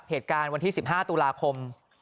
เหตุการณ์วันที่สิบห้าตุลาคม